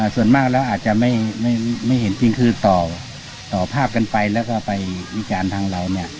ส่วนมากแล้วอาจจะไม่เห็นจริงคือต่อภาพกันไปแล้วก็ไปวิจารณ์ทางเราเนี่ย